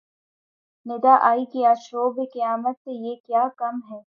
ندا آئی کہ آشوب قیامت سے یہ کیا کم ہے